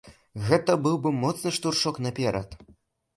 Гэта быў бы моцны штуршок наперад.